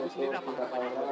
itu sendiri apa harapannya